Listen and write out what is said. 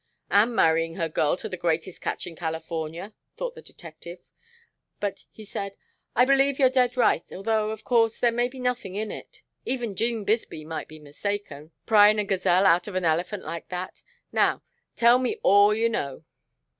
"And marrying her girl to the greatest catch in California," thought the detective, but he said: "I believe you're dead right, although, of course, there may be nothing in it. Even 'Gene Bisbee might be mistaken, pryin' a gazelle out of an elephant like that. Now, tell me all you know."